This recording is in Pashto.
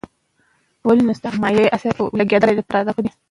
بادام د افغانستان د شنو سیمو ښکلا ده.